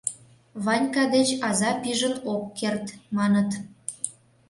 Ванька деч аза пижын ок керт, маныт...